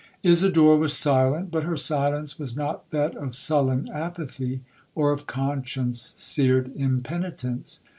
'Isidora was silent, but her silence was not that of sullen apathy, or of conscience seared impenitence.